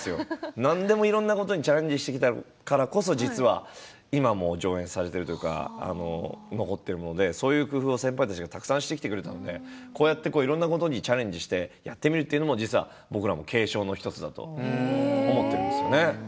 何でもいろんなことにチャレンジしてきたからこそ実は今も上演されているというか残っているものでそういう工夫を先輩たちがたくさんしてきてくれたのでこうやっていろんなことにチャレンジしてやってみるというのも実は僕らも継承の１つだと思っているんですよね。